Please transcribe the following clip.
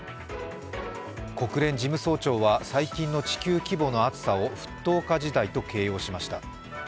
国連事務総長は最近の地球規模の暑さを沸騰化時代と形容しました。